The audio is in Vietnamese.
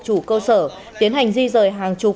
chủ cơ sở tiến hành di rời hàng chục